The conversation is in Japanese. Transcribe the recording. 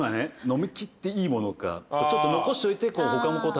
飲み切っていいものかちょっと残しておいて他も試して。